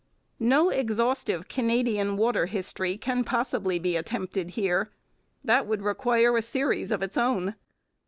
No exhaustive Canadian 'water history' can possibly be attempted here. That would require a series of its own.